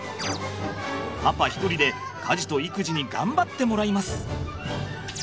パパ一人で家事と育児に頑張ってもらいます。